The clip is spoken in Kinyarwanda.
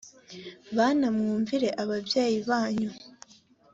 bana mwumvire ababyeyi banyu